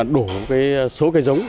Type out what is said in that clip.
đủ số cây giống